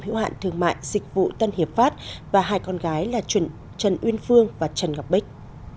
hữu hạn thương mại dịch vụ tân hiệp pháp và hai con gái là trần uyên phương và trần ngọc bích